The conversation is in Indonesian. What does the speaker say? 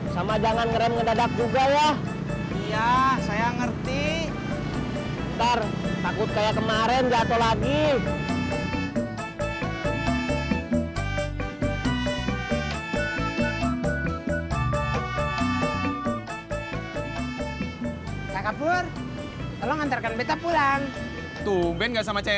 sampai jumpa di video selanjutnya